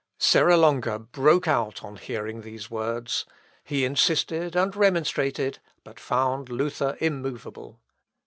Serra Longa broke out on hearing these words. He insisted, and remonstrated, but found Luther immovable.